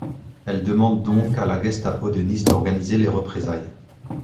Elle demande donc à la Gestapo de Nice d'organiser les représailles.